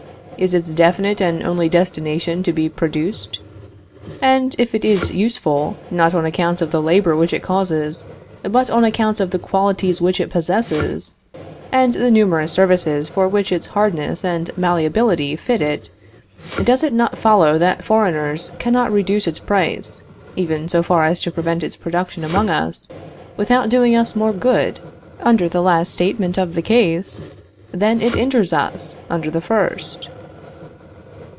Is its definite and only destination to be produced? And if it is useful, not on account of the labor which it causes, but on account of the qualities which it possesses, and the numerous services for which its hardness and malleability fit it, does it not follow that foreigners cannot reduce its price, even so far as to prevent its production among us, without doing us more good, under the last statement of the case, than it injures us, under the first?